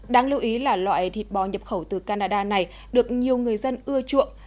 đáng lưu ý là loại thịt bò nhập khẩu từ canada này được nhiều người dân ưa chuộng